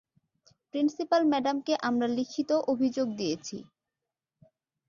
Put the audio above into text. Principal ম্যাডামকে আমরা লিখিত অভিযোগ দিয়েছি।